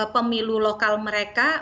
pemilu lokal mereka